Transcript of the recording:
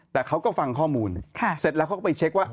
แต่เขาก็ฟังข้อมูลเสร็จแล้วเขาก็ไปเช็คว่า